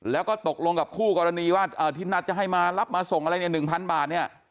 แล้วก็ตกลงกับคู่กรณีว่าที่นัดจะให้มารับมาส่งอะไรเนี่ย๑๐๐บาทเนี่ย